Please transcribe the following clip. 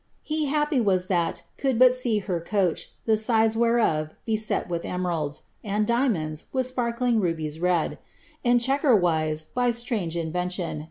' He happy was that could but see her coach. The sides whereof, beset with emeralds And diamonds, with sparkling rubies red. In checkerwise, by strange inyention.